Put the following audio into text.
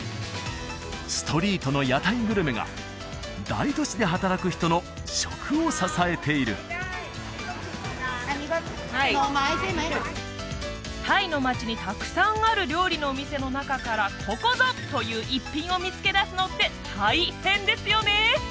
ストリートの屋台グルメが大都市で働く人の食を支えているタイの街にたくさんある料理のお店の中からここぞという一品を見つけ出すのって大変ですよね